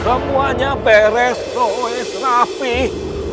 semuanya beres rose rapih